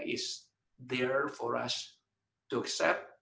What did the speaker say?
ada untuk kita untuk mengikuti